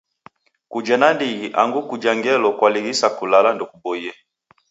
Kuja nandighi angu kuja ngelo kwalighisa kulala ndekuboie.